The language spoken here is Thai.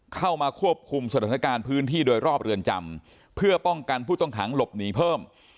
เข้ามาควบคุมสถานการณ์พื้นที่โดยรอบเรือนจำเพื่อป้องกันผู้ต้องขังหลบหนีเพิ่ม